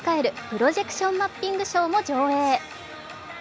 プロジェクションマッピングショーも上映。